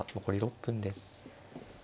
残り６分です。